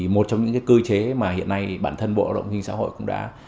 một trong những cơ chế mà hiện nay bản thân bộ bảo hiểm xã hội cũng đã